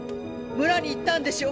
村に行ったんでしょ。